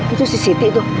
itu si siti tuh